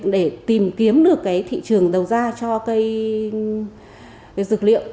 để tìm kiếm được cái thị trường đầu ra cho cây dược liệu